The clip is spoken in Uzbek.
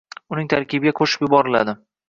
uning tarkibiga qo‘shilib boriladi;